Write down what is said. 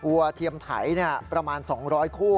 เทียมไถประมาณ๒๐๐คู่